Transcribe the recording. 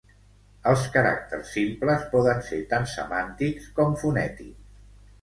Els caràcters simples poden ser tant semàntics com fonètics.